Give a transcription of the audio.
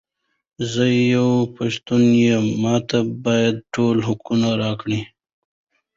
زۀ یوه پښتانه یم، ماته باید ټول حقوق راکړی!